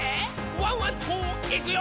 ワンワンといくよ」